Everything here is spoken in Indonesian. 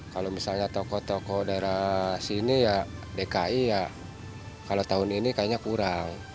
kalau misalnya tokoh tokoh daerah sini ya dki ya kalau tahun ini kayaknya kurang